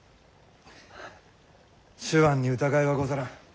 手腕に疑いはござらん。